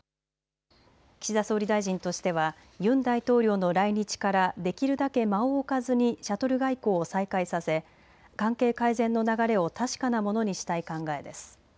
岸田総理大臣としてはユン大統領の来日からできるだけ間を置かずにシャトル外交を再開させ関係改善の流れを確かなものにしたい考えです。